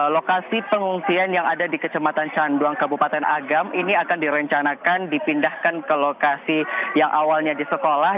lokasi pengungsian yang ada di kecamatan canduang kabupaten agam ini akan direncanakan dipindahkan ke lokasi yang awalnya di sekolah